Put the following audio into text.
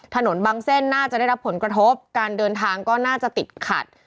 ถนนบางเส้นน่าจะได้รับผลกระทบการเดินทางก็น่าจะติดขัด